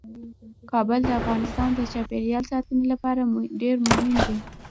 کابل د افغانستان د چاپیریال ساتنې لپاره ډیر مهم دی.